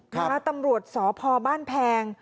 ตำรวจสพบ้านแพง